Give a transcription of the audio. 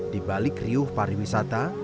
di balik riuh pariwisata